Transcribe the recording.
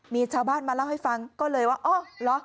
มีชาวบ้านมาเล่าให้ฟังก็เลยว่าอ๋อเหรอ